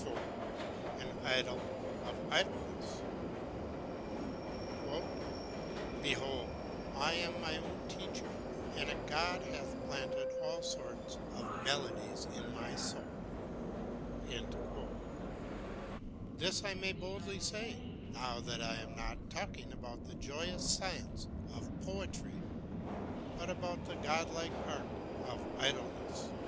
AN IDYL OF IDLENESS "Behold, I am my own teacher, and a god hath planted all sorts of melodies in my soul." This I may boldly say, now that I am not talking about the joyous science of poetry, but about the godlike art of idleness.